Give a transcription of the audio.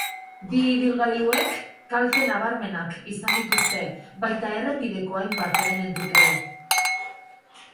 Bi ibilgailuek kalte nabarmenak izan dituzte, baita errepideko hainbat elementuk ere.